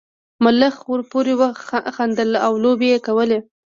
ملخ ورپورې خندل او لوبې یې کولې.